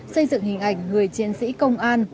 xây dựng hình ảnh người chiến sĩ công an